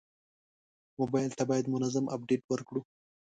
موبایل ته باید منظم اپډیټ ورکړو.